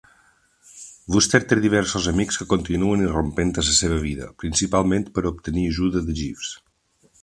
Wooster té diversos amics que continuen irrompent a la seva vida, principalment per obtenir ajuda de Jeeves.